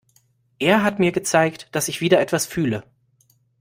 Es hat mir gezeigt, dass ich wieder etwas fühle.